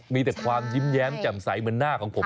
มีแต่ความยิ้มแย้มแจ่มใสเหมือนหน้าของผม